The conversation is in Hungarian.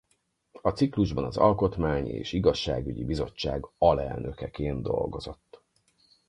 A ciklusban az alkotmány- és igazságügyi bizottság alelnökeként dolgozott.